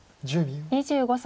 ２５歳。